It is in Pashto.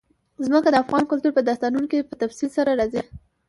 ځمکه د افغان کلتور په داستانونو کې په تفصیل سره راځي.